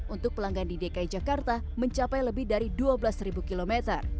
untuk pelanggan di dki jakarta mencapai lebih dari dua belas km